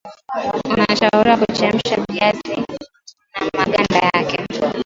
unashauriwa kuchemsha viazi na maganda yake